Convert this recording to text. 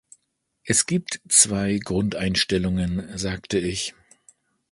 Es gibt zwei Grundeinstellungen, sagte ich.